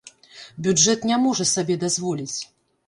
Бюджэт не можа сабе дазволіць.